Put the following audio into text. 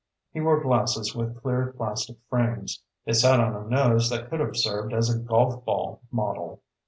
He wore glasses with clear plastic frames. They sat on a nose that could have served as a golf ball model.